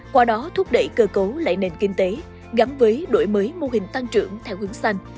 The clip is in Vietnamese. qua đó thúc đẩy cơ cấu lại nền kinh tế gắn với đổi mới mô hình tăng trưởng theo hướng xanh